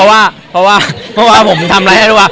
หมายความจริง